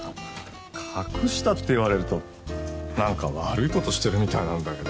「隠した」って言われるとなんか悪い事してるみたいなんだけど。